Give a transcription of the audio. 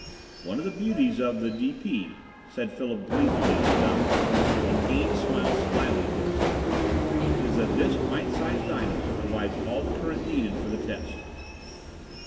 "One of the beauties of the D. P.," said Philip gleefully to the Doctor, while Keane smiled slyly to himself, "is that this pint size dynamo provides all the current needed for the test.